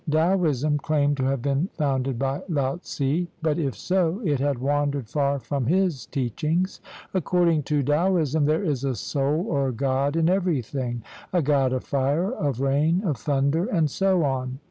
Taoism claimed to have been founded by Laotze; but if so, it had wandered far from his teachings. According to Taoism, there is a soul or god in everything, a god of fire, of rain, of thunder, and so on.